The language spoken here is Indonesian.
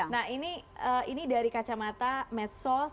nah ini dari kacamata medsos